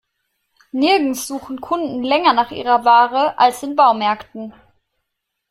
Nirgends suchen Kunden länger nach ihrer Ware als in Baumärkten.